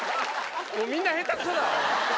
もうみんな下手くそだ！